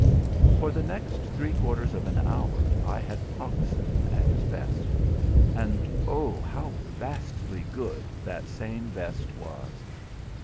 For the next three quarters of an hour I had Pogson at his best. And oh! how vastly good that same best was!